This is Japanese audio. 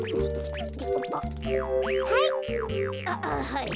はい。